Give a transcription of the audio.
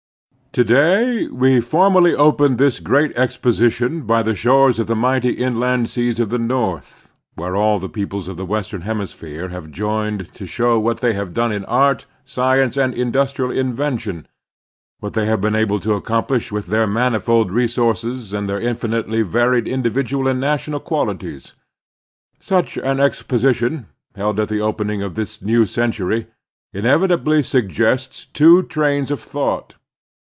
TO DAY we formally open this great exposi tion by the shores of the mighty inland seas of the North, where all the peoples of the western hemisphere have joined to show what they have done in art, science, and indus trial invention, what they have been able to accomplish with their manifold resources and their infinitely varied individual and national qualities. Such an exposition, held at the open ing of this new century, inevitably suggests two trains of thought.